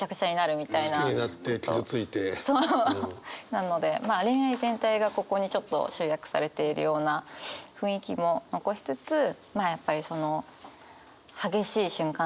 なのでまあ恋愛全体がここにちょっと集約されているような雰囲気も残しつつまあやっぱりその激しい瞬間ですよね。